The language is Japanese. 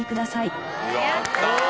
やったー！